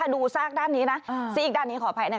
ถ้าดูซากด้านนี้ซีอีกด้านนี้ขออภัย